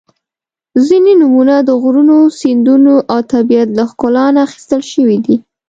• ځینې نومونه د غرونو، سیندونو او طبیعت له ښکلا نه اخیستل شوي دي.